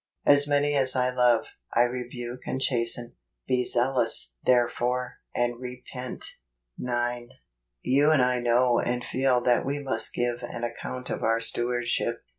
" As many as I love , I rebuke and chasten; be zealous, therefore, and repent JUNE. G5 9. You and I know and feel that we must give an account of our stewardship.